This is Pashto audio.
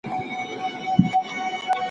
خپل ځان به د ژوند په ستونزو کي پیاوړی ساتئ.